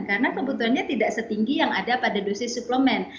karena kebutuhannya tidak setinggi yang ada pada dosis suplemen